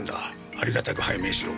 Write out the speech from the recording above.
ありがたく拝命しろ。